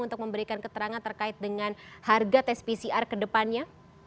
untuk memberikan keterangan terkait dengan harga tes pcr kedepannya